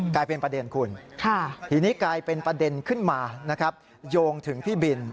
กลายเป็นประเด็นคุณทีนี้กลายเป็นประเด็นขึ้นมานะครับโยงถึงพี่บิน